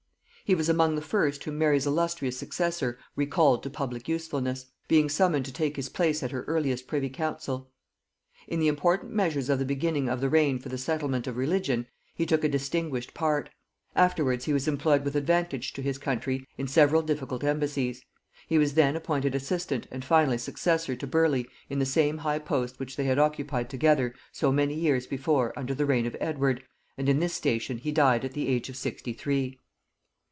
He was among the first whom Mary's illustrious successor recalled to public usefulness; being summoned to take his place at her earliest privy council. In the important measures of the beginning of the reign for the settlement of religion, he took a distinguished part: afterwards he was employed with advantage to his country in several difficult embassies; he was then appointed assistant and finally successor to Burleigh in the same high post which they had occupied together so many years before under the reign of Edward, and in this station he died at the age of sixty three.